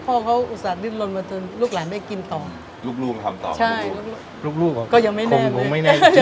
ปลูกลูกทำต่อหลูกลูกฝรี่หรอ